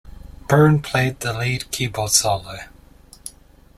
Byrne played the lead keyboard solo.